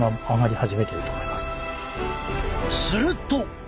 すると。